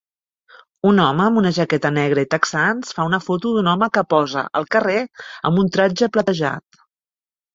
Un home amb una jaqueta negra i texans fa una foto d'un home que posa al carrer amb un tratge platejat